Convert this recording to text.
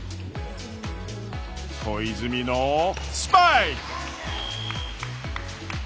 小泉のスパイク！